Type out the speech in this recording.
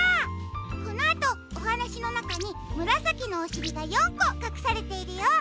このあとおはなしのなかにむらさきのおしりが４こかくされているよ。